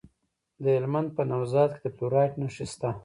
د هلمند په نوزاد کې د فلورایټ نښې شته.